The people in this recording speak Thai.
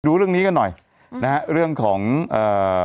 ดูเรื่องนี้กันหน่อยนะฮะเรื่องของเอ่อ